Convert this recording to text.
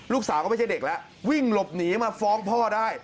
ลูกสาวก็ไม่ใช่เด็กแล้ววิ่งหลบหนีมาฟ้องพ่อได้